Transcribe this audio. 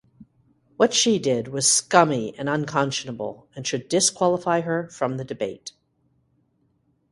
What she did was scummy and unconscionable and should disqualify her from the debate.